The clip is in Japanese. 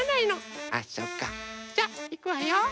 じゃあいくわよ。